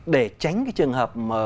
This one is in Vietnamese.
để tránh cái trường hợp